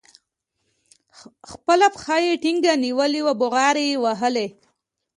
خپله پښه يې ټينګه نيولې وه بوغارې يې وهلې.